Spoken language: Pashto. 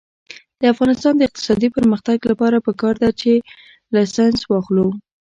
د افغانستان د اقتصادي پرمختګ لپاره پکار ده چې لایسنس واخلو.